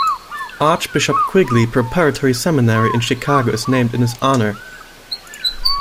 Archbishop Quigley Preparatory Seminary in Chicago is named in his honor.